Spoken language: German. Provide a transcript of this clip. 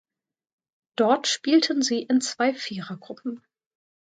Dort spielten sie in zwei Vierergruppen.